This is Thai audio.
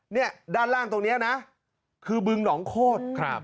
เนี่ยด้านล่างตรงนี้นะคือบึงหนองโคตรครับ